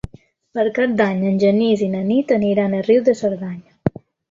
Per Cap d'Any en Genís i na Nit aniran a Riu de Cerdanya.